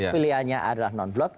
pilihannya adalah non block